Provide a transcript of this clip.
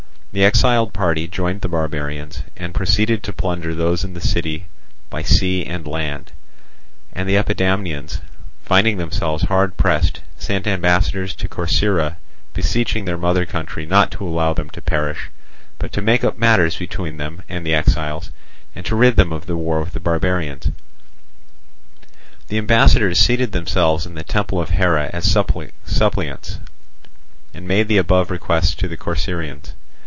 The exiled party joined the barbarians, and proceeded to plunder those in the city by sea and land; and the Epidamnians, finding themselves hard pressed, sent ambassadors to Corcyra beseeching their mother country not to allow them to perish, but to make up matters between them and the exiles, and to rid them of the war with the barbarians. The ambassadors seated themselves in the temple of Hera as suppliants, and made the above requests to the Corcyraeans.